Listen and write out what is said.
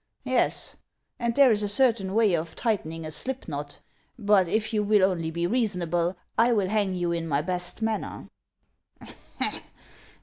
" Yes ; and there is a certain way of tightening a slip knot — but if you will only be reasonable, I will hang you in my best manner."